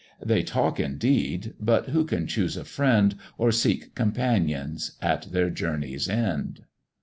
They talk indeed, but who can choose a friend, Or seek companions at their journey's end?